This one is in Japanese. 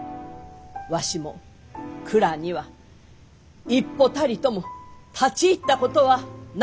わしも蔵には一歩たりとも立ち入ったことはない！